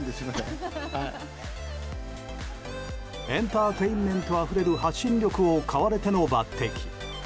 エンターテインメントあふれる発信力を買われての抜擢。